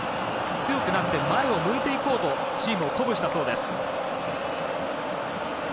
強くなって前を向いていこうとチームを鼓舞したそうです。